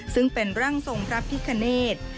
ซึ่งเป็นร่างทรงพระพิคเนธ